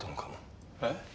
えっ？